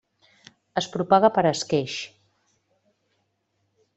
Es propaga per esqueix.